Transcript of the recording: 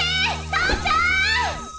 投ちゃん！